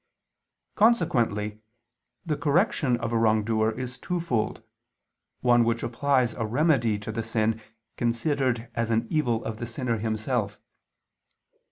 Consequently the correction of a wrongdoer is twofold, one which applies a remedy to the sin considered as an evil of the sinner himself.